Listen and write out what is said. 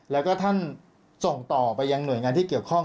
แล้วก็ท่านส่งต่อไปยังหน่วยงานที่เกี่ยวข้อง